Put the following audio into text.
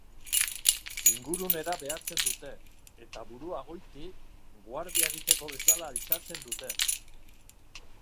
Ingurunera behatzen dute, eta burua goiti, guardia egiteko bezala altxatzen dute.